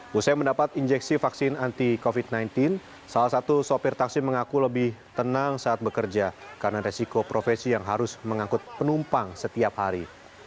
pusat mendapat injeksi vaksin anti covid sembilan belas salah satu sopir taksi mengaku lebih tenang saat bekerja karena resiko profesi yang harus mengangkut penumpang setiap hari